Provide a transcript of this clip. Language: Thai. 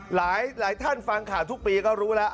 หลายท่านฟังข่าวทุกปีก็รู้แล้ว